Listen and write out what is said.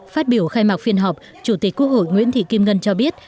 phát biểu khai mạc phiên họp chủ tịch quốc hội nguyễn thị kim ngân cho biết